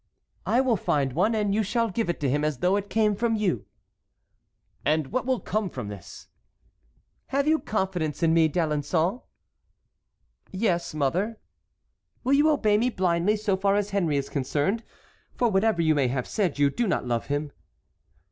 "I will find one—and you shall give it to him as though it came from you." "And what will come of this?" "Have you confidence in me, D'Alençon?" "Yes, mother." "Will you obey me blindly so far as Henry is concerned? For whatever you may have said you do not love him."